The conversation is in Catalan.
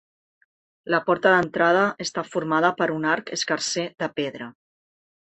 La porta d'entrada està formada per un arc escarser de pedra.